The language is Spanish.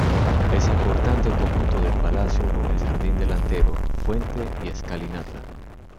Es importante el conjunto del palacio con el jardín delantero, fuente y escalinata.